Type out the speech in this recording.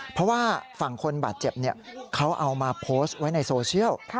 เพราะว่าฝั่งคนบาดเจ็บเขาเอามาโพสต์ไว้ในโซเชียล